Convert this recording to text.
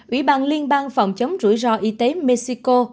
ủy ban liên bang phòng chống rủi ro y tế mexico